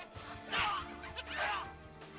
aku mau ke rumah